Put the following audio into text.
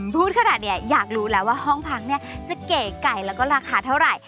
พูดขนาดนี้อยากรู้แล้วว่าห้องพักเนี่ยจะเก๋ไก่แล้วก็ราคาเท่าไหร่